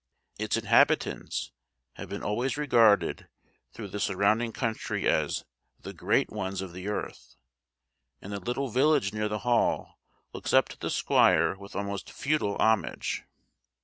Its inhabitants have been always regarded through the surrounding country as "the great ones of the earth;" and the little village near the hall looks up to the squire with almost feudal homage.